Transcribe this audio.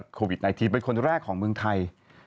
โควิด๑๙เป็นคนแรกของเมืองไทย